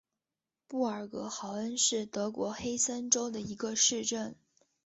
布尔格豪恩是德国黑森州的一个市镇。